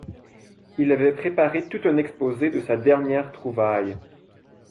Il avait préparé tout un exposé de sa dernière trouvaille.